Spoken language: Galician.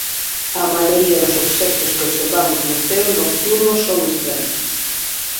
A maioría dos obxectos que observamos no ceo nocturno son estrelas.